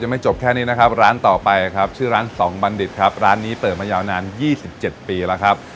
ไม่จบแค่นี้นะครับร้านต่อไปครับชื่อร้านสองบัณฑิตครับร้านนี้เปิดมายาวนาน๒๗ปีแล้วครับ